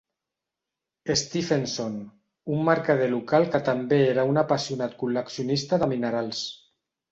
Stephenson, un mercader local que també era un apassionat col·leccionista de minerals.